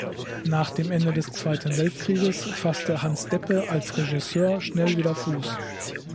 Nach dem Ende des Zweiten Weltkrieges fasste Hans Deppe als Regisseur schnell wieder Fuß.